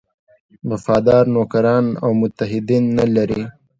وفادار نوکران او متحدین نه لري.